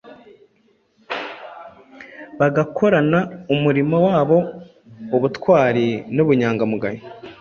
bagakorana umurimo wabo ubutwari n’ubunyangamugayo